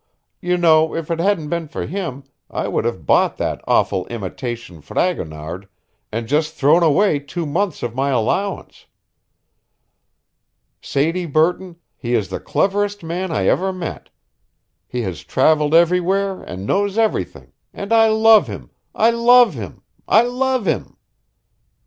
You know, if it hadn't been for him I would have bought that awful imitation Fragonard and just thrown away two months of my allowance. Sadie Burton, he is the cleverest man I ever met. He has travelled everywhere and knows everything, and I love him, I love him, I love him!"